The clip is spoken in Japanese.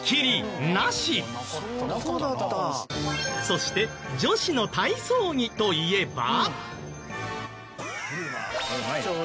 そして女子の体操着といえば。